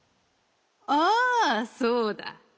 ああそうだ。